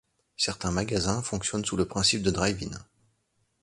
Certains magasins fonctionnent sous le principe de drive-in.